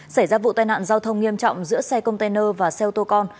xảy ra vụ tai nạn giao thông nghiêm trọng giữa xe container và xe ô tô con